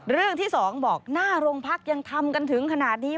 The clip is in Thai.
เรื่องที่๒บอกหน้าโรงพักยังทำกันถึงขนาดนี้